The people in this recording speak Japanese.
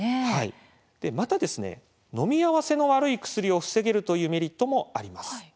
また飲み合わせの悪い薬を防げるというメリットもあります。